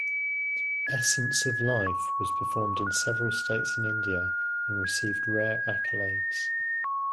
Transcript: Essence of Life was performed in several states in India and received rare accolades.